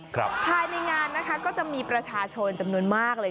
ภายในงานนะคะก็จะมีประชาชนจำนวนมากเลย